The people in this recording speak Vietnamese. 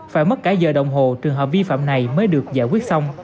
phải mất cả giờ đồng hồ trường hợp vi phạm này mới được giải quyết xong